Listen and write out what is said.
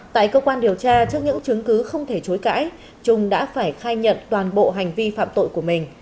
tại cơ quan điều tra trước những chứng cứ không thể chối cãi trung đã phải khai nhận toàn bộ hành vi phạm tội của mình